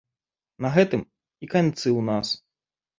На гэтым і канцы ў нас.